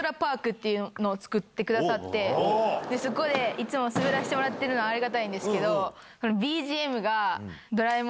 いつも滑らせてもらってるのはありがたいんですけど。